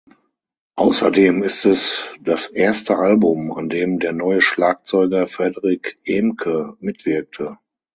Außerdem ist es das erste Album, an dem der neue Schlagzeuger Frederik Ehmke mitwirkte.